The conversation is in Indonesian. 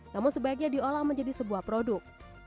namun sebaiknya diolah menjadi sebuah produk